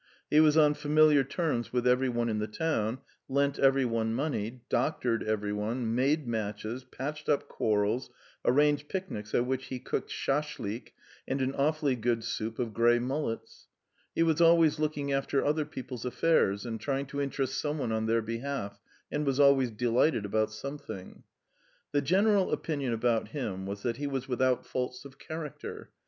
He was on familiar terms with every one in the town, lent every one money, doctored every one, made matches, patched up quarrels, arranged picnics at which he cooked shashlik and an awfully good soup of grey mullets. He was always looking after other people's affairs and trying to interest some one on their behalf, and was always delighted about something. The general opinion about him was that he was without faults of character.